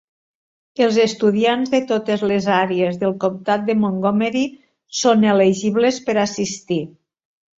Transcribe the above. Els estudiants de totes les àrees del Comtat de Montgomery són elegibles per assistir.